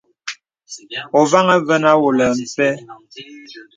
Ôvaŋha vənə àwōlə̀ mpə̀.